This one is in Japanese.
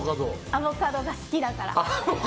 アボカドが好きだから。